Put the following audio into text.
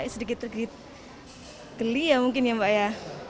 sedikit sedikit geli ya mungkin ya mbak ya